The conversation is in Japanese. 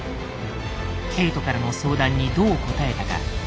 ケイトからの相談にどう答えたか。